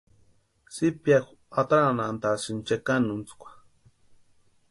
Zipiaju ataranhantʼasïni chekanuntskwa.